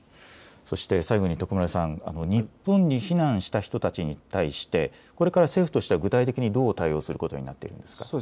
そして最後に徳丸さん、日本に避難した人たちに対してこれから政府として具体的にどう対応することになっているんですか。